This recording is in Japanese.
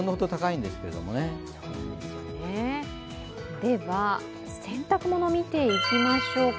では洗濯物を見ていきましょうか。